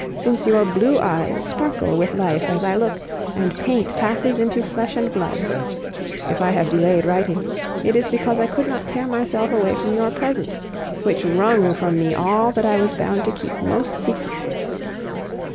since your blue eyes sparkle with life as I look, and paint passes into flesh and blood. If I have delayed writing, it is because I could not tear myself away from your presence, which wrung from me all that I was bound to keep most secret.